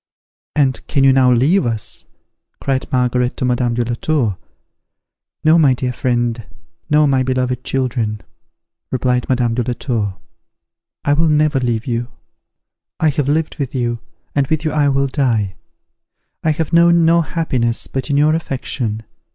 "And can you now leave us?" cried Margaret to Madame de la Tour. "No, my dear friend, no, my beloved children," replied Madame de la Tour; "I will never leave you. I have lived with you, and with you I will die. I have known no happiness but in your affection.